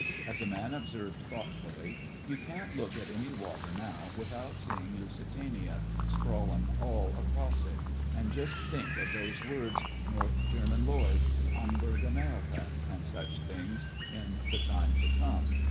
As a man observed thoughtfully: "You can't look at any water now without seeing 'Lusi tania' sprawlin' all across it. And just think of those words, 'North German Lloyd j' ' Hamburg Amerika ' and such things, in the time to come.